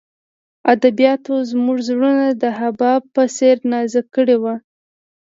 ادبیاتو زموږ زړونه د حباب په څېر نازک کړي وو